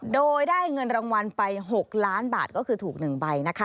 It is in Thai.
โดยได้เงินรางวัลไป๖ล้านบาทก็คือถูก๑ใบนะคะ